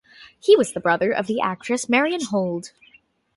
He was the brother of the actress Marianne Hold.